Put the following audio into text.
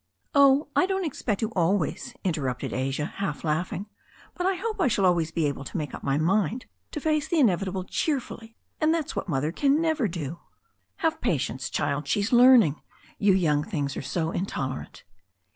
"Oh, I don't expect to always," interrupted Asia, half laughing, "but I hope I shall always be able to make up my mind to face the inevitable cheerfully, and that's what Mother can never do." "Have patience, child. She's learning. You young things are so intolerant."